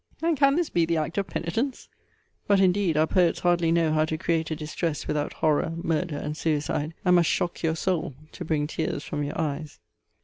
And can this be the act of penitence? But, indeed, our poets hardly know how to create a distress without horror, murder, and suicide; and must shock your soul, to bring tears from your eyes.